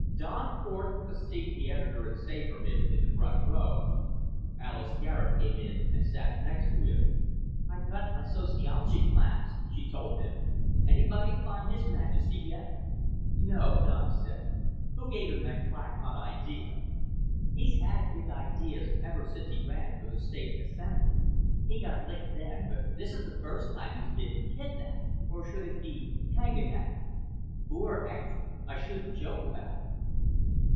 Don Cort took a seat the editor had saved for him in the front row. Alis Garet came in and sat next to him. "I cut my sociology class," she told him. "Anybody find His Majesty yet?" "No," Don said. "Who gave him that crackpot idea?" "He's had big ideas ever since he ran for the State Assembly. He got licked then, but this is the first time he's been kidnaped. Or should it be kanganaped? Poor Hector. I shouldn't joke about it."